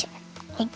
はい。